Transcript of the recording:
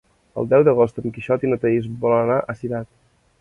El deu d'agost en Quixot i na Thaís volen anar a Cirat.